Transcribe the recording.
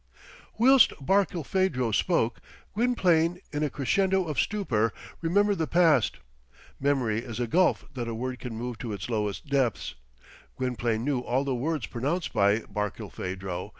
Whilst Barkilphedro spoke, Gwynplaine, in a crescendo of stupor, remembered the past. Memory is a gulf that a word can move to its lowest depths. Gwynplaine knew all the words pronounced by Barkilphedro.